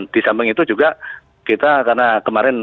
di samping itu juga kita karena kemarin